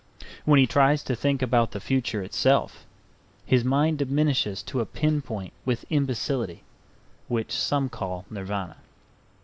When he tries to think about the future itself, his mind diminishes to a pin point with imbecility, which some call Nirvana.